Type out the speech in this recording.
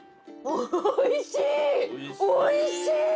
おいしい！